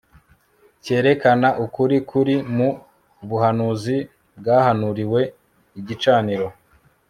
cyerekana ukuri kuri mu buhanuzi bwahanuriwe igicaniro